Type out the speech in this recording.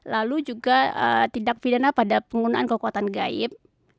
lalu juga tindak pidana pada penggunaan kekuatan gaib